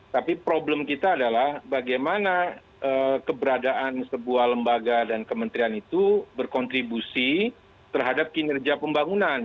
tapi problem kita adalah bagaimana keberadaan sebuah lembaga dan kementerian itu berkontribusi terhadap kinerja pembangunan